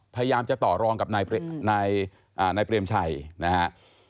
พยายามจะต่อรองกับนายเปรมชัยนะครับ